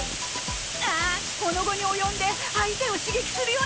ああっこの期に及んで相手を刺激するようなこと言って。